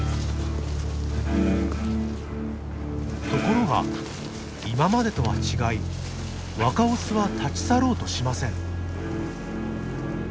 ところが今までとは違い若オスは立ち去ろうとしません。